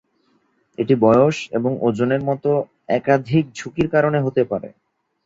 এটি বয়স এবং ওজনের মতো একাধিক ঝুঁকির কারণে হতে পারে।